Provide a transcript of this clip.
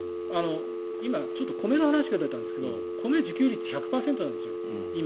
今、米の話が出たんですが米の自給率今、１００％なんです。